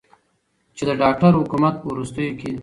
چې د داکتر د حکومت په وروستیو کې